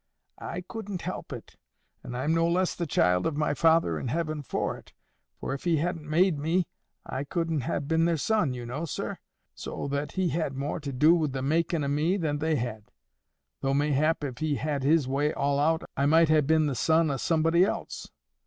"I couldn't help it. And I'm no less the child of my Father in heaven for it. For if He hadn't made me, I couldn't ha' been their son, you know, sir. So that He had more to do wi' the makin' o' me than they had; though mayhap, if He had His way all out, I might ha' been the son o' somebody else.